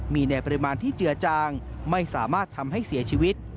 มีในปริมาณที่เจือจางไม่สามารถทำให้เสียชีวิต